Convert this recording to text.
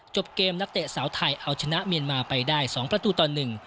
จบเกมนักเตะเสาไทยเอาชนะเมียนมาไปได้สองประตูตอนหนึ่ง